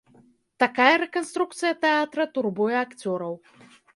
Такая рэканструкцыя тэатра турбуе акцёраў.